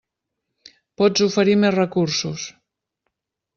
Pots oferir més recursos.